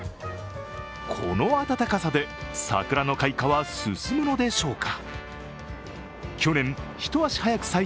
この暖かさで、桜の開花は進むのでしょうか。